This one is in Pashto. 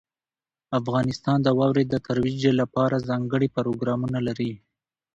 افغانستان د واورې د ترویج لپاره ځانګړي پروګرامونه لري.